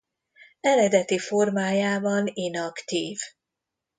Eredeti formájában inaktív.